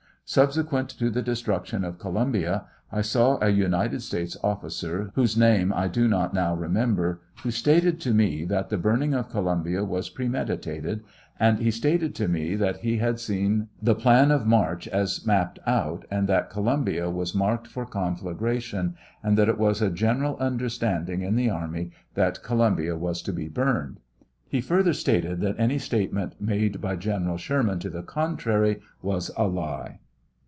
Subsequent to the destruction of Columbia I saw a United States officer, whose name I do not now remember, who stated to me that the burning of Co lumbia was premeditated, and he stated to me that he had seen the plan of march as mapJDed'out, and that Columbia was marked for conflagration, and that it was a general understanding in the army that Columbia was to be burned. He further stated that any statement made by General Sherman to the contrary was a lie.